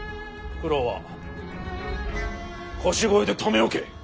九郎は腰越で留め置け。